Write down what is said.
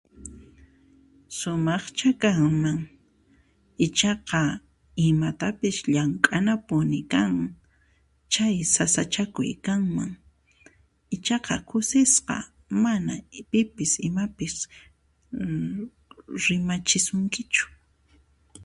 Sumaqchu kanman ichaqa imatapis llank'anapuni kanman chay sasachakuy kanman ichaqa kusisqa mana pipis imapis rimachisunkichu.